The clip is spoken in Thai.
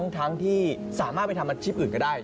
ทั้งที่สามารถไปทำอาชีพอื่นก็ได้